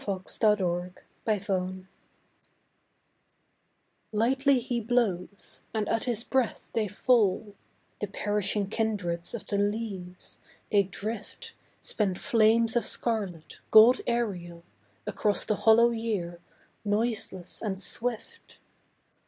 The Falling Leaves Lightly He blows, and at His breath they fall, The perishing kindreds of the leaves; they drift, Spent flames of scarlet, gold aerial, Across the hollow year, noiseless and swift.